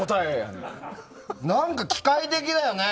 なんか機械的だよね。